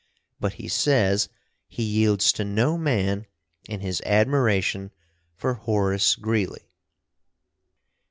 But he says he yields to no man in his admiration for Horace Greeley.